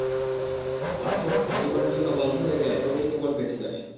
তার চোখ আজীবনের জন্য বন্ধ হয়ে গেলে তবেই কেবল বেঁচে যাবেন!